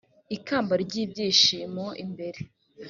ikamba ry ibyishimo imbere